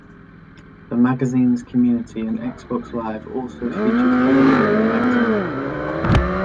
The magazine's community and Xbox Live also featured heavily in the magazine.